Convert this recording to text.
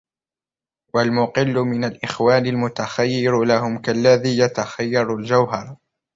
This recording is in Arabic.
وَالْمُقِلُّ مِنْ الْإِخْوَانِ الْمُتَخَيِّرُ لَهُمْ كَاَلَّذِي يَتَخَيَّرُ الْجَوْهَرَ